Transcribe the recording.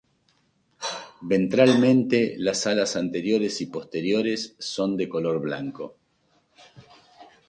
Ventralmente las alas anteriores y posteriores son de color blanco.